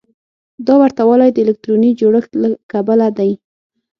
دا ورته والی د الکتروني جوړښت له کبله دی.